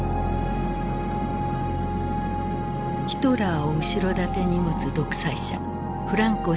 ヒトラーを後ろ盾に持つ独裁者フランコ